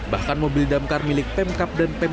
bahkan mobil damkar milik pemkap dan pemka